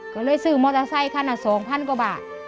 ก็เลยซื้อมอเตอร์ไซค์ขนาดสองพันกว่าบาท